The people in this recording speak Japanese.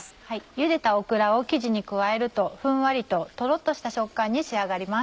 ゆでたオクラを生地に加えるとふんわりととろっとした食感に仕上がります。